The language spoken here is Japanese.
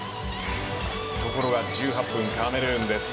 ところが１８分、カメルーン。